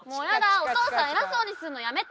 お父さん偉そうにするのやめて！